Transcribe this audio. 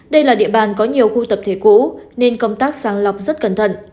đây là địa bàn có nhiều khu tập thể cũ nên công tác sàng lọc rất cẩn thận